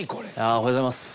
おはようございます。